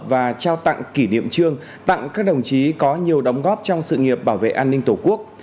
và trao tặng kỷ niệm trương tặng các đồng chí có nhiều đóng góp trong sự nghiệp bảo vệ an ninh tổ quốc